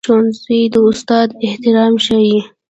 ښوونځی د استاد احترام ښيي